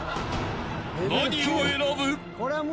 ［何を選ぶ？］